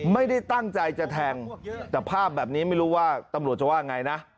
ไม่ได้ตั้งใจจะแทงแต่ภาพแบบนี้ไม่รู้ว่าตำรวจจะว่าไงนะ